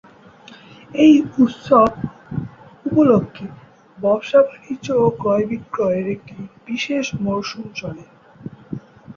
এই উৎসব উপলক্ষে ব্যবসা-বাণিজ্য ও ক্রয়-বিক্রয়ের একটি বিশেষ মরসুম চলে।